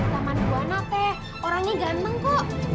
taman berwarna teh orangnya ganteng kok